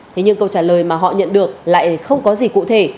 thế nhưng câu trả lời mà họ nhận được lại không có gì cụ thể